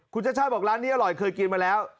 คุณชาติชาติบอกร้านนี้อร่อยเคยกินมาแล้ว